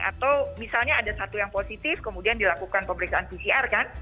atau misalnya ada satu yang positif kemudian dilakukan pemeriksaan pcr kan